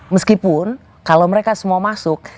meskipun kalau mereka semua masuk